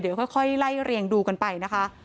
เดี๋ยวค่อยไล่เรียงดูกันไปนะคะ